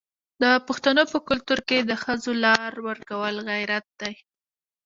د پښتنو په کلتور کې د ښځو لار ورکول غیرت دی.